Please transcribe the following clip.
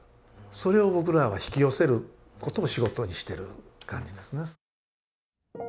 それを僕らは引き寄せることを仕事にしてる感じですね。